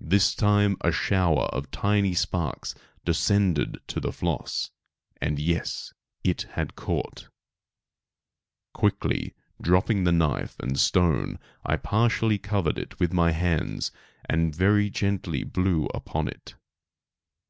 This time a shower of tiny sparks descended to the floss, and, yes, it had caught! Quickly dropping the knife and stone I partially covered it with my hands and very gently blew upon it.